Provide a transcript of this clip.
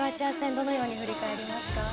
どのように振り返りますか？